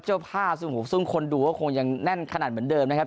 เจ้าภาพศูนย์ศูนย์คนดูก็คงยังแน่นขนาดเหมือนเดิมนะครับ